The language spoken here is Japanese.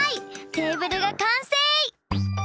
テーブルがかんせい！